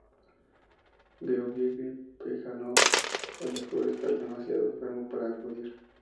Gueorgui Plejánov alegó estar demasiado enfermo para acudir.